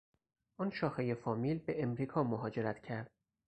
آن شاخهی فامیل به امریکا مهاجرت کرد.